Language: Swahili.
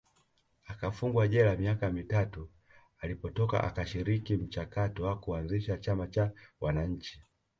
akafungwa jela miaka mitatu alipotoka akashiriki mchakato wa kuanzisha chama cha Wananchi